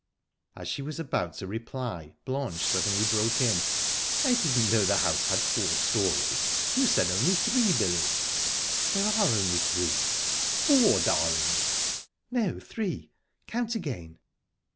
As she was about to reply, Blanche suddenly broke in: "I didn't know the house had four storeys. You said only three, Billy." "There are only three." "Four, darling!" "No three. Count again."